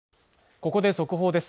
ここで速報です